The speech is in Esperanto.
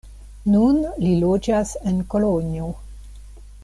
Nun li loĝas en Kolonjo.